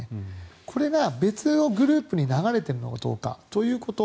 これが別のグループに流れているのかどうかということ。